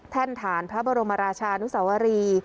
ฐานพระบรมราชานุสวรี